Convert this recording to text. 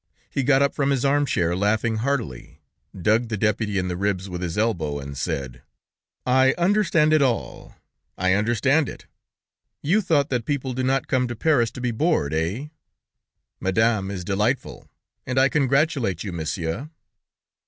He got up from his arm chair laughing heartily, dug the deputy in the ribs with his elbow, and said: "I understand it all, I understand it; you thought that people do not come to Paris to be bored, eh? Madame is delightful, and I congratulate you, Monsieur."